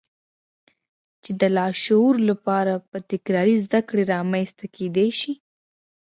چې د لاشعور لپاره په تکراري زدهکړو رامنځته کېدای شي.